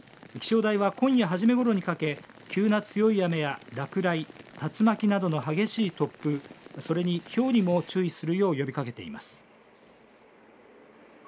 気象台は今夜初めごろにかけて急な強い雨や落雷、竜巻などの激しい突風それに、ひょうにも注意するよう呼びかけています。